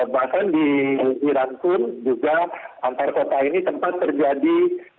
bahkan di iran pun juga antar kota ini sempat terjadi